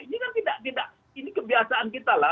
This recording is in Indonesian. ini kan tidak ini kebiasaan kita lah